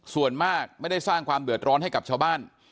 ส่วนมากไม่ได้สร้างความเดือดร้อนให้กับชาวบ้าน